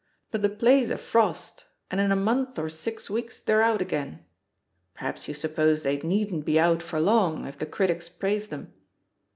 But the play's a frost, and in a month or six weeks they're out again. Perhaps you suppose they needn't be out for long, if the critics praise them?